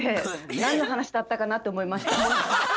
何の話だったかなって思いました。